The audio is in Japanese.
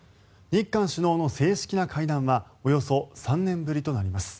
日韓首脳の正式な会談はおよそ３年ぶりとなります。